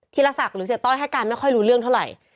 ีรศักดิ์หรือเสียต้อยให้การไม่ค่อยรู้เรื่องเท่าไหร่